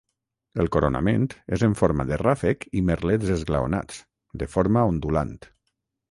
El coronament és en forma de ràfec i merlets esglaonats, de forma ondulant.